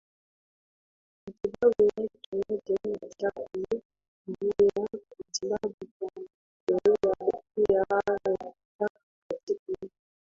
Matibabu yake maji machafu mmea matibabu kwa tumia upya au taka katika mito